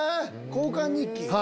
交換日記。